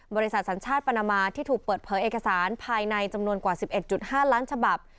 บริษัทสัญชาติปานามาที่ถูกเปิดเผยเอกสารภายในจำนวนกว่า๑๑๕ล้านฉบับ